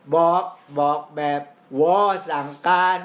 บอกแบบวอสั่งการ